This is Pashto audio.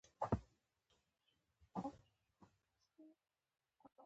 له همدې امله یې له کراول سره مینه وه.